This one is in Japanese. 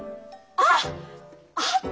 あっあった！